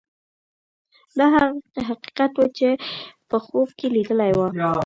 دا هغه حقیقت و چې ده په خوب کې لیدلی و.